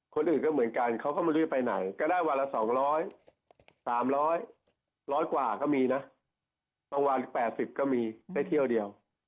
คนอื่นก็เหมือนกันเขาก็ไม่รู้จะไปไหนก็ได้วันละสองร้อยสามร้อยร้อยกว่าก็มีนะบางวันแปดสิบก็มีได้เที่ยวเดียว